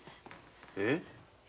えっ？